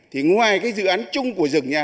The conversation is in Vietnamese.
thì ngoài dự án chung của rừng nha